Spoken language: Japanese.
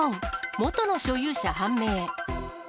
元の所有者判明。